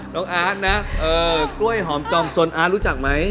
อาร์ตนะกล้วยหอมจอมสนอาร์ตรู้จักไหม